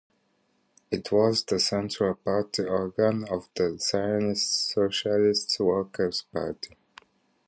It was the central party organ of the Zionist Socialist Workers Party.